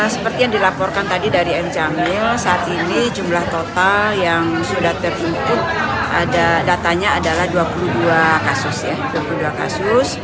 seperti yang dilaporkan tadi dari m jamil saat ini jumlah total yang sudah terungkup datanya adalah dua puluh dua kasus